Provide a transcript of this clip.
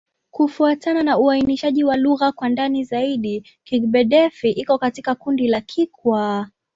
Kufuatana na uainishaji wa lugha kwa ndani zaidi, Kigbe-Defi iko katika kundi la Kikwa.